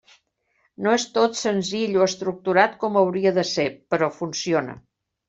No és tot senzill o estructurat com hauria de ser, però funciona.